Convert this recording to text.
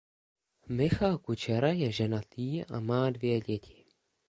Michal Kučera je ženatý a má dvě děti.